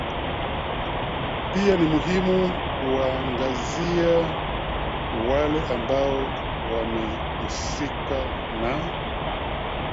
pia ni muhimu kuwaangazia wale ambao wamehusika na